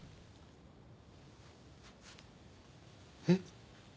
えっ？